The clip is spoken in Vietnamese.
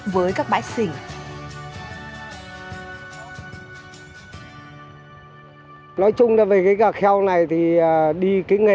với các bãi xình